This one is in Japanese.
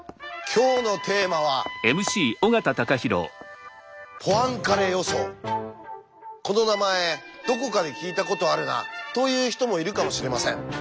今日のテーマはこの名前どこかで聞いたことあるなという人もいるかもしれません。